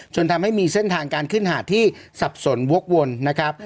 ทำให้มีเส้นทางการขึ้นหาดที่สับสนวกวนนะครับ